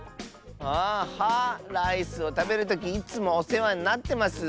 あ「は」。ライスをたべるときいつもおせわになってます！